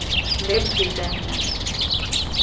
ވެބް ޑިޒައިނަރ